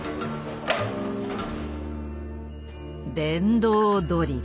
電動ドリル。